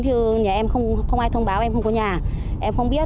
chứ nhà em không ai thông báo em không có nhà em không biết